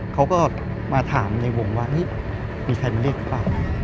เขาก็มาถามในวงว่าเฮ้ยมีใครมาเรียกหรือเปล่า